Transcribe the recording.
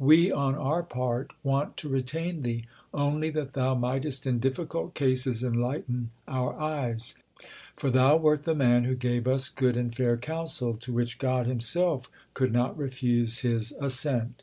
We, on our part, want to retain thee, only that thou mightest in difficult cases enlighten our eyes; for thou wert the man who gave us good and fair counsel, to which God Himself could not refuse His assent."